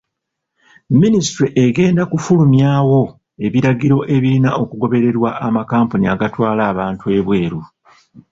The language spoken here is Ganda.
Minisitule egenda kufulumyawo ebiragiro ebirina okugobererwa amakampuni agatwala abantu ebweru.